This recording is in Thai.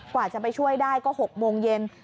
กว่าจะไปช่วยได้ก็๖โมงเย็น